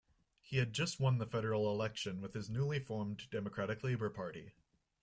He had just won the Federal Election with his newly formed Democratic Labour Party.